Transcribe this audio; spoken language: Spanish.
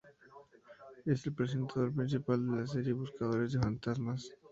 Es el presentador principal de la serie "Buscadores de fantasmas".